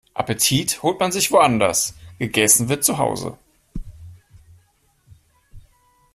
Appetit holt man sich woanders, gegessen wird zu Hause.